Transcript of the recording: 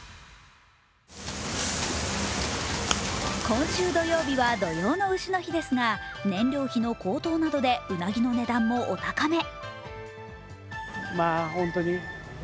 今週土曜日は土用のうしの日ですが、燃料費の高騰などでうなぎの値段もお高め。